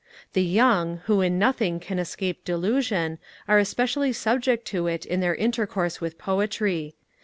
The young, who in nothing can escape delusion, are especially subject to it in their intercourse with Poetry.